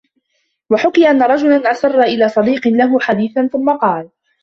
وَحُكِيَ أَنَّ رَجُلًا أَسَرَّ إلَى صَدِيقٍ لَهُ حَدِيثًا ثُمَّ قَالَ